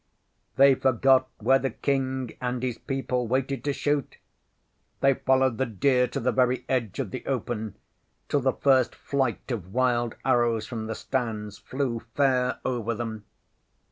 They forgot where the King and his people waited to shoot. They followed the deer to the very edge of the open till the first flight of wild arrows from the stands flew fair over them.